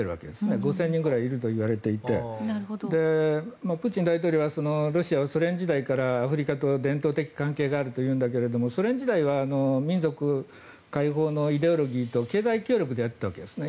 ５０００人くらいいるといわれていてプーチン大統領はロシアをソ連時代からアフリカと伝統的関係があるというんだけどソ連時代は民族解放のイデオロギーと経済協力でやっていたわけですね